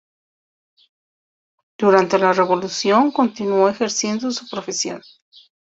Durante la Revolución continuó ejerciendo su profesión.